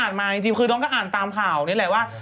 โดยลองได้อ่านโดยลองตามข่าวนี้เลยว่า